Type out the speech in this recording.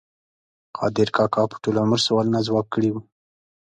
قادر کاکا په ټول عمر سوالونه ځواب کړي وو.